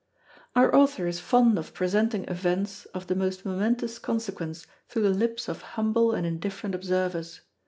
Our author is fond of presenting events of the most momentous consequence through the lips of humble and indifferent observers.